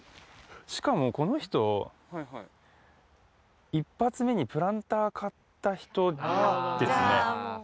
しかもこの人、一発目にプランター買った人ですね。